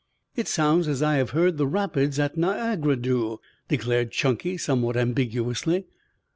"It sounds as I have heard the rapids at Niagara do," declared Chunky somewhat ambiguously.